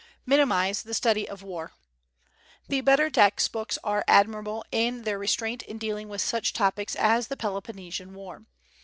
Minimize the Study of War. The better text books are admirable in their restraint in dealing with such topics as the Peloponnesian War.